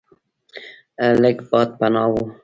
لږ باد پناه و.